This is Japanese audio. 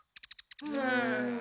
うん。